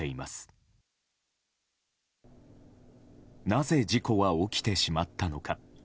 なぜ事故は起きてしまったのか。